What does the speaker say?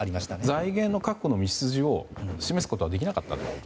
財源確保の道筋を示すことはできなかったんですか。